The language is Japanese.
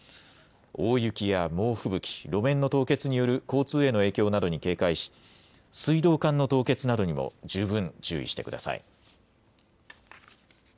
大雪や猛吹雪、路面の凍結による交通への影響などに警戒し水道管の凍結などにも十分注意してください。